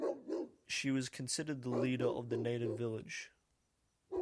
She was considered the leader of the native village.